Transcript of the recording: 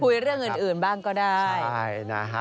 พูดเรื่องอื่นบ้างก็ได้